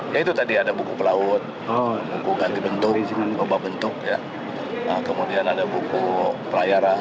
ya itu tadi ada buku pelaut buku ganti bentuk kemudian ada buku pelayaran